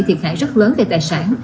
thiệt hại rất lớn về tài sản